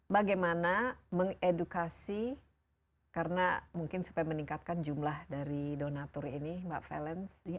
bagaimana mengedukasi karena mungkin supaya meningkatkan jumlah dari donator ini mbak valence